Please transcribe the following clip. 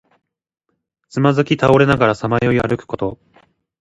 つまずき倒れながらさまよい歩くこと。